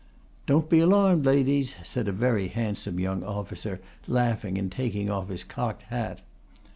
'Don't be alarmed, ladies,' said a very handsome young officer, laughing, and taking off his cocked hat.